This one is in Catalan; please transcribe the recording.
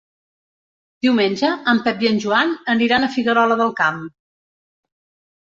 Diumenge en Pep i en Joan aniran a Figuerola del Camp.